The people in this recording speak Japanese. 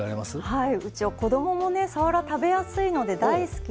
はい。